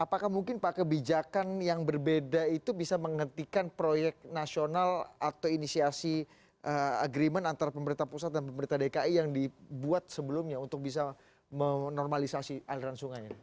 apakah mungkin pak kebijakan yang berbeda itu bisa menghentikan proyek nasional atau inisiasi agreement antara pemerintah pusat dan pemerintah dki yang dibuat sebelumnya untuk bisa menormalisasi aliran sungai